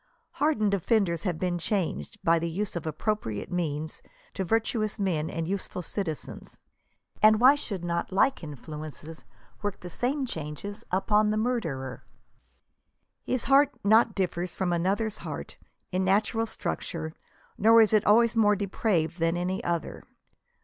Hardened offenders have been changed, by the use of appropriate means, to virtuous men and useful citizens ; and why should not like influences work the same change upon the murderer !" His heart not differs from another's heart" in natural structure, nor is it always more de praved than any other.